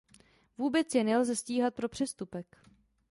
Vůbec je nelze stíhat pro přestupek.